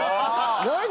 何？